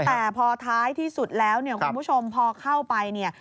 แต่พอท้ายที่สุดแล้วคุณผู้ชมพอเข้าไป